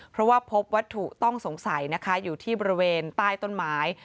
เพราะว่าพบวัตถุต้องสงสัยนะคะอยู่ที่บริเวณใต้ต้นไม้